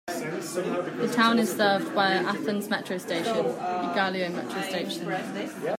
The town is served by a Athens Metro station: Egaleo metro station.